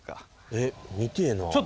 えっ見てぇな。